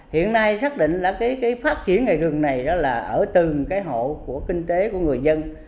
hiện nay xác định là cái phát triển ngày rừng này đó là ở từng cái hộ của kinh tế của người dân